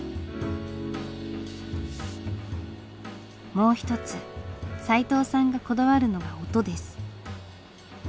もう一つさいとうさんがこだわるのが音です。